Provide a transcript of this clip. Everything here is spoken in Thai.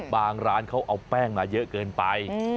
ร้านเขาเอาแป้งมาเยอะเกินไป